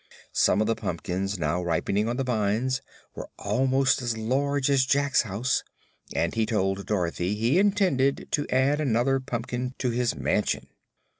Some of the pumpkins now ripening on the vines were almost as large as Jack's house, and he told Dorothy he intended to add another pumpkin to his mansion.